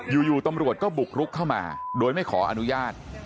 อยู่ตำรวจก็บุกรุกเข้ามาโดยไม่ขออนุญาต